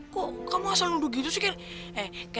kok kamu selalu gitu sih